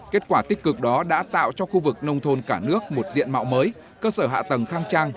kết quả tích cực đó đã tạo cho khu vực nông thôn cả nước một diện mạo mới cơ sở hạ tầng khang trang